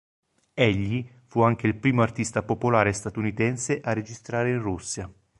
Egli fu anche il primo artista popolare statunitense a registrare in Russia.